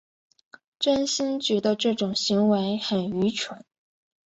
真心觉得这种行为很愚蠢